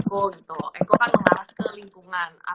kita bisa sebut juga eko gitu eko kan mengharas ke lingkungan